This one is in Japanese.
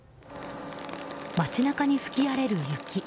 街中に吹き荒れる雪。